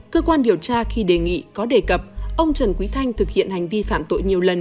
cơ quan điều tra khi đề nghị có đề cập ông trần quý thanh thực hiện hành vi phạm tội nhiều lần